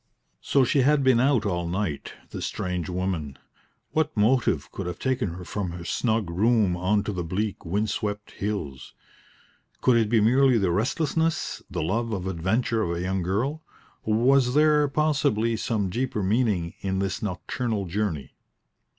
So she had been out all night, this strange woman. What motive could have taken her from her snug room on to the bleak, wind swept hills? Could it be merely the restlessness, the love of adventure of a young girl? Or was there, possibly, some deeper meaning in this nocturnal journey?